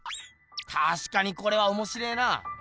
たしかにこれはおもしれえな。